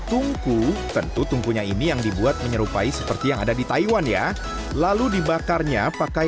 tungku tentu tungkunya ini yang dibuat menyerupai seperti yang ada di taiwan ya lalu dibakarnya pakai